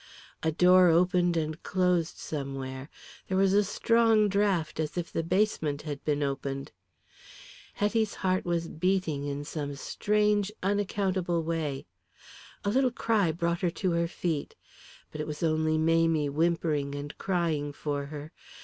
A door opened and closed somewhere, there was a strong draught as if the basement had been opened. Hetty's heart was beating in some strange, unaccountable way. A little cry brought her to her feet. But it was only Mamie whimpering and crying for her.